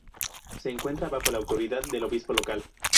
Se encuentra bajo la autoridad del obispo local.